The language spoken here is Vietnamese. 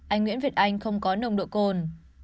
anh nguyễn việt anh không có nồng độ cồn